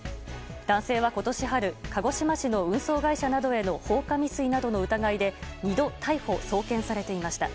男性は今年春鹿児島市の運送会社への放火未遂などの疑いで２度、逮捕・送検されていました。